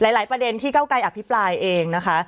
หลายประเด็นที่เก้าไกรภิปรายเองนะคะ